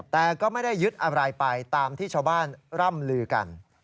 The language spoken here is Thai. แต่ก็ไม่ได้ยึดอะไรไปตามที่ชาวบ้านร่ำลือกัน